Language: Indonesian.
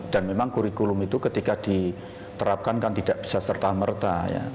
dan memang kurikulum itu ketika diterapkan kan tidak bisa serta merta